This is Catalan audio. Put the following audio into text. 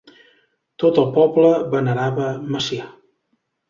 Tot el poble venerava Macià.